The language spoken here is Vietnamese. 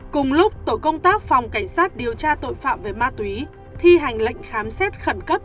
cùng lúc tổ công tác phòng cảnh sát điều tra tội phạm về ma túy thi hành lệnh khám xét khẩn cấp